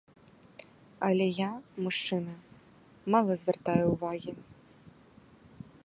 Але я, мужчына, мала звяртаю ўвагі.